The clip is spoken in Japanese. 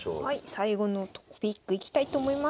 最後のとこいきたいと思います。